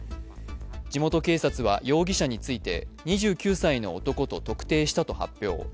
地元警察は容疑者について２９歳の男と特定したと発表。